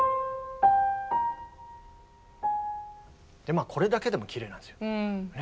まあこれだけでもきれいなんですよ。